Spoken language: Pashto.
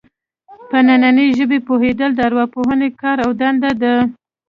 پر دنننۍ ژبې پوهېدل د ارواپوهنې کار او دنده ده